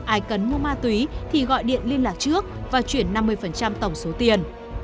ai cần mua ma túy thì gọi điện liên lạc trước và chuyển năm mươi tổng số tiền